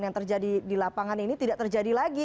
yang terjadi di lapangan ini tidak terjadi lagi